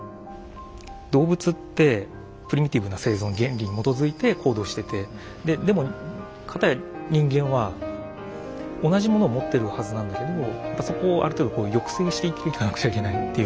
動物ってプリミティブな生存原理に基づいて行動しててででも片や人間は同じものを持ってるはずなんだけどやっぱそこをある程度抑制して生きていかなくちゃいけないっていう。